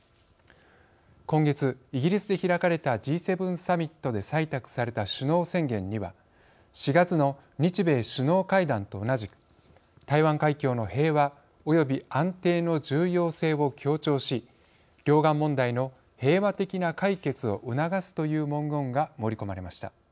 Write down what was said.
今月、イギリスで開かれたＧ７サミットで採択された首脳宣言には４月の日米首脳会談と同じく台湾海峡の平和および安定の重要性を強調し両岸問題の平和的な解決を促すという文言が盛り込まれました。